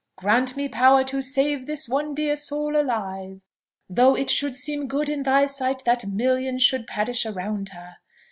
Grant me power to save this one dear soul alive, though it should seem good in thy sight that millions should perish around her!